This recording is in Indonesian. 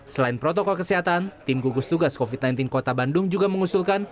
selain protokol kesehatan tim gugus tugas covid sembilan belas kota bandung juga mengusulkan